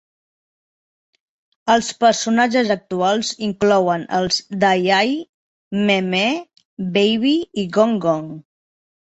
Els personatges actuals inclouen els d'AiAi, MeeMee, Baby i GonGon.